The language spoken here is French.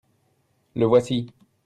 le voici.